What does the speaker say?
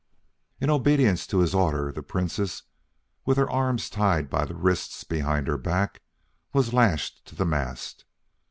In obedience to his order, the Princess, with her arms tied by the wrists behind her back, was lashed to the mast.